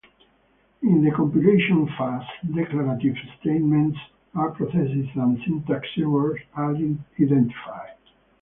In the compilation phase, declarative statements are processed and syntax errors are identified.